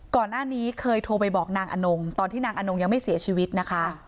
ก่อนหน้านี้เคยโทรไปบอกนางอนงตอนที่นางอนงยังไม่เสียชีวิตนะคะ